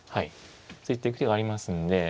突いていく手がありますので。